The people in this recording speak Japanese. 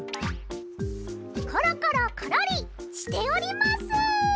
コロコロコロリしております！